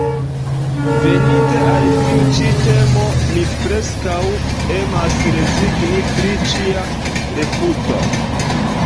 Veninte al tiu ĉi temo mi preskaŭ emas rezigni pri ĉia refuto.